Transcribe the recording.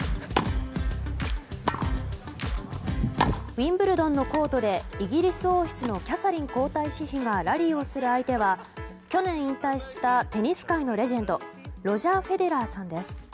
ウィンブルドンのコートでイギリス王室のキャサリン皇太子妃がラリーをする相手は去年、引退したテニス界のレジェンドロジャー・フェデラーさんです。